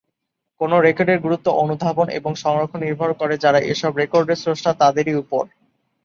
কোনো রেকর্ডের গুরুত্ব অনুধাবন এবং সংরক্ষণ নির্ভর করে যারা এসব রেকর্ডের স্রষ্টা তাদেরই ওপর।